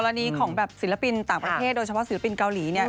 อันนี้ของแบบศิลปินต่างประเทศโดยเฉพาะศิลปินเกาหลีเนี่ย